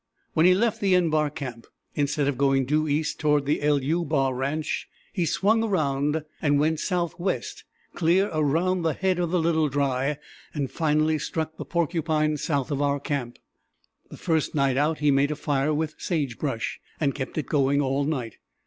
When he left the =N= bar camp, instead of going due east toward the =LU= bar ranch, he swung around and went southwest, clear around the head of the Little Dry, and finally struck the Porcupine south of our camp. The first night out he made a fire with sage brush, and kept it going all night.